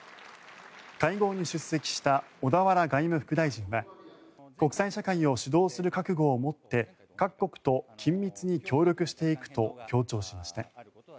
会合に出席した小田原外務副大臣は国際社会を主導する覚悟を持って各国と緊密に協力していくと強調しました。